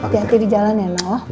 hati hati di jalan ya ma